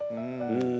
うん。